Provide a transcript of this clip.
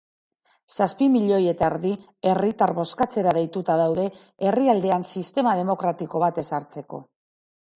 Zazpi milioi eta erdi herritar bozkatzera deituta daude herrialdean sistema demokratiko bat ezartzeko.